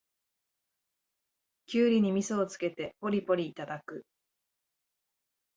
キュウリにみそをつけてポリポリいただく